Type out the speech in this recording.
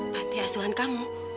panti asuan kamu